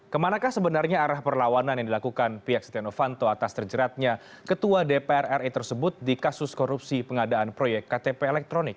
kemanakah sebenarnya arah perlawanan yang dilakukan pihak setia novanto atas terjeratnya ketua dpr ri tersebut di kasus korupsi pengadaan proyek ktp elektronik